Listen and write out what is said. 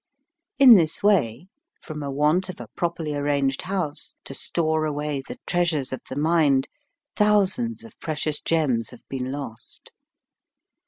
In this way, from a want of a properly arranged house to store away the treasures of the mind thousands of precious gems have been lost.